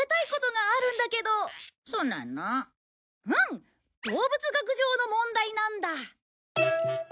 動物学上の問題なんだ！